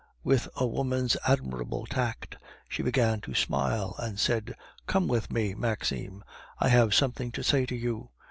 With a woman's admirable tact, she began to smile and said: "Come with me, Maxime; I have something to say to you.